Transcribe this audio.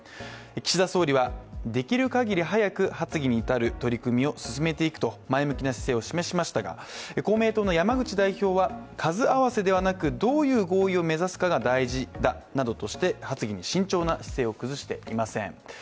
岸田総理は、できる限り発議に至る取り組みを進めていくと前向きな姿勢を示しましたが公明党の山口代表は、数あわせではなくどういう合意を目指すかが大事だとして発議に慎重な姿勢を崩していません。